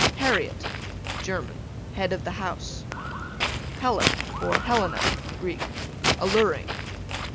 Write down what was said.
Harriet, German, head of the house. Helen, or Helena, Greek, alluring.